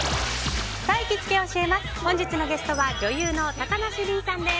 本日のゲストは女優の高梨臨さんです。